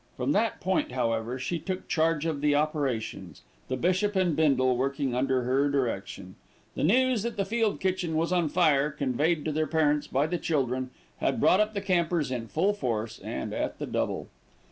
From that point, however, she took charge of the operations, the bishop and Bindle working under her direction. The news that the field kitchen was on fire, conveyed to their parents by the children, had brought up the campers in full force and at the double.